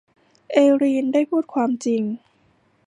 เอลีนได้พูดความจริง